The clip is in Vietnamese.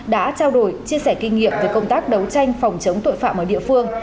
đã trao đổi chia sẻ kinh nghiệm về công tác đấu tranh phòng chống tội phạm ở địa phương